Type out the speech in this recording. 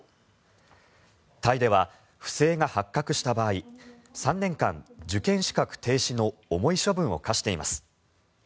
タイでは不正が発覚した場合３年間、受験資格停止の重い処分を科しています。